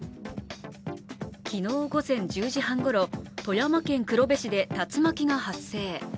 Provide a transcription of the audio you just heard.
昨日午前１０時半ごろ、富山県黒部市で竜巻が発生。